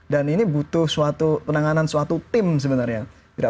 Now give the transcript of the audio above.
dan ini butuh penanganan suatu tim sebenarnya